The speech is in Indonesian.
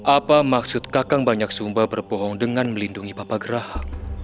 apa maksud kakang banyak sumba berbohong dengan melindungi papa geraha